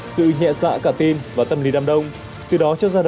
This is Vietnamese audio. sự nhẹ dạ cả tin và tâm lý đam đông